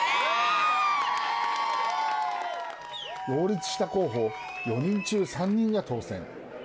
擁立した候補４人中３人が当選。